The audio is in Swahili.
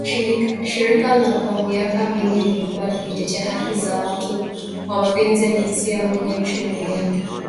Shirika la kwa miaka mingi limekuwa likitetea haki za watu wa mapenzi ya jinsia moja nchini Uganda